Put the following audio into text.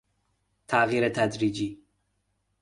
تغییر تدریجی